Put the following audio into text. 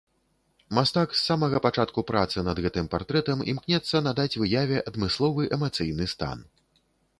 Мастак з самага пачатку працы над гэтым партрэтам імкнецца надаць выяве адмысловы эмацыйны стан.